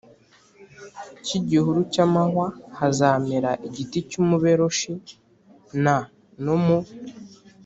cy igihuru cy amahwa hazamera igiti cy umuberoshi n no mu